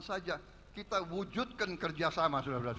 saja kita wujudkan kerjasama sudah berakhir